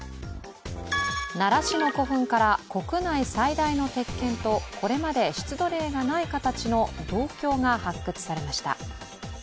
奈良市の古墳から国内最大の鉄剣と、これまで出土例がない形の銅鏡が発掘されました。